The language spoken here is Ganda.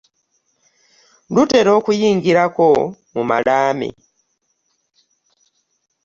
Lutera n'okuyingirako mu malaame ,